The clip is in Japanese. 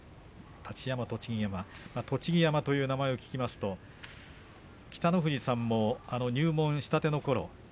太刀山、栃木山栃木山という名前を聞きますと北の富士さんも入門したてのころ